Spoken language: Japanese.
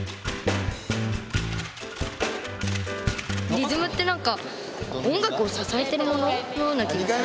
リズムって何か音楽を支えてるもののような気がしました。